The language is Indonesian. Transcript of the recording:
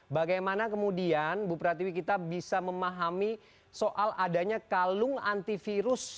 bagaimana kemudian bu pratiwi kita bisa memahami soal adanya kalung antivirus